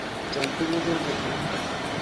bchei tuguk eng' kerkeindo